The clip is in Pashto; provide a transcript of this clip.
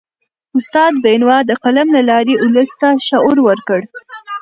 استاد بینوا د قلم له لاري ولس ته شعور ورکړ.